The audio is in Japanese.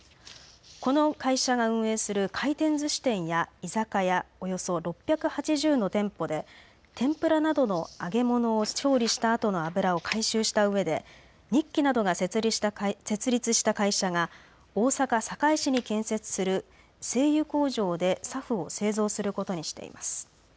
この会社が運営する回転ずし店や居酒屋、およそ６８０の店舗で天ぷらなどの揚げ物を調理したあとの油を回収したうえで日揮などが設立した会社が大阪堺市に建設する製油工場でＳＡＦを製造することにしています。